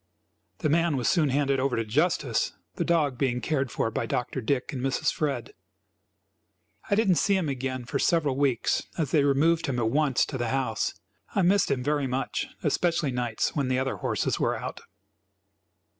The man was soon handed over to justice, the dog being cared for by Dr. Dick and Mrs. Fred. I did not see him again for several weeks, as they removed him at once to the house. I missed him very much, especially nights when the other horses were out.